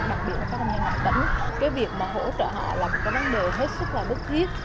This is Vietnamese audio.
đặc biệt là các công nhân ở tỉnh cái việc mà hỗ trợ họ là một cái vấn đề hết sức là bất thiết